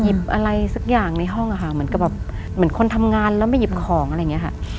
อะไรสักอย่างในห้องอะค่ะเหมือนกับแบบเหมือนคนทำงานแล้วมาหยิบของอะไรอย่างนี้ค่ะ